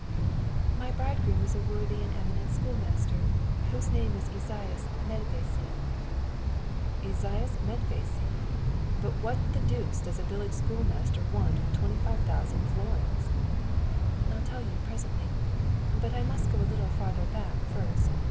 "My bridegroom is a worthy and eminent schoolmaster, whose name is Esaias Medvési." "Esaias Medvési! But what the deuce does a village schoolmaster want with twenty five thousand florins?" "I'll tell you presently. But I must go a little farther back first.